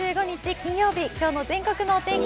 金曜日、今日の全国のお天気